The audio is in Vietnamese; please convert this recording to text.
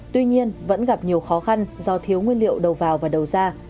tuy nhiên vẫn gặp nhiều khó khăn do thiếu nguyên liệu đầu vào và đầu ra